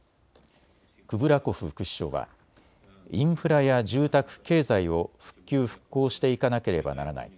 クブラコフ副首相はインフラや住宅、経済を復旧・復興していかなければならない。